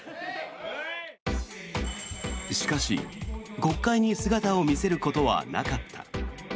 しかし、国会に姿を見せることはなかった。